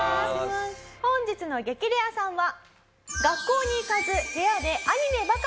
本日の激レアさんは。